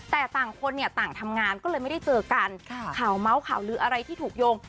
แต่ต่างคนเนี่ยต่างทำงานก็เลยไม่ได้เจอกันข่าวเมาส์ข่าวลืออะไรที่ถูกโยง